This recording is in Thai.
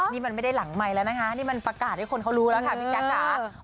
นี่มันไม่ได้หลังไมค์แล้วนะคะนี่มันประกาศให้คนเขารู้แล้วค่ะพี่แจ๊คค่ะ